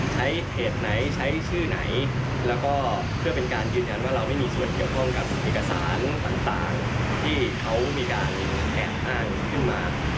ใช้เพจไหนใช้ชื่อไหนแล้วก็เพื่อเป็นการยืนยันว่าเราไม่มีส่วนเกี่ยวข้องกับเอกสารต่างที่เขามีการแอบอ้างขึ้นมา